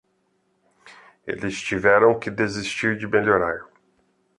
Eles tiveram que desistir de melhorar.